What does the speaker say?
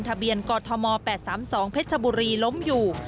ทะเบียนกธ๘๓๒พบล้มอยู่